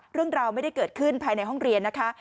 เรื่องราวไม่ได้เกิดขึ้นภายในห้องเรียนนะคะ